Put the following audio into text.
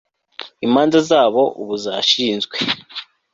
imanza zabo ubu zashinzwe